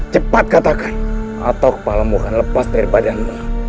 cepat katakan atau kepalamu akan lepas dari badan